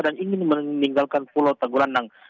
dan ingin meninggalkan pulau tagulandang